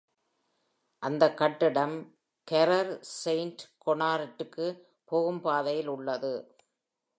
அந்தக் கட்டிடம் Carrer Sant Honorat க்கு போகும் பாதையில் உள்ளது.